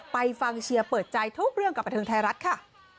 ไปฟังเชียร์เปิดใจทุกเรื่องกับบันเทิงไทยรัฐค่ะ